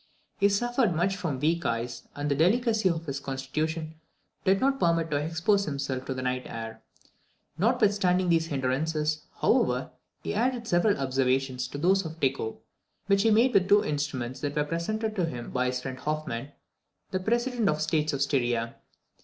He suffered much from weak eyes, and the delicacy of his constitution did not permit him to expose himself to the night air. Notwithstanding these hindrances, however, he added several observations to those of Tycho, which he made with two instruments that were presented to him by his friend Hoffman, the President of the States of Styria.